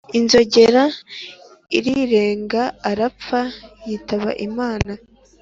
inzogera irirenga: arapfa, yitaba imana.